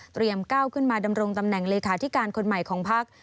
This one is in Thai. ก้าวขึ้นมาดำรงตำแหน่งเลขาธิการคนใหม่ของพัก